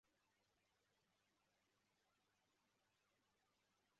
Imbwa yiruka mu mazi ifashe inkoni mu kanwa